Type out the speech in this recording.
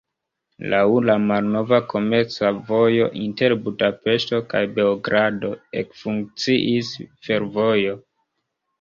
Laŭ la malnova komerca vojo inter Budapeŝto kaj Beogrado ekfunkciis fervojo.